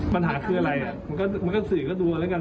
ปัญหาคืออะไรมันก็สื่อก็ดูกันแล้วกัน